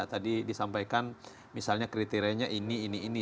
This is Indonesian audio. tadi disampaikan misalnya kriterianya ini ini ini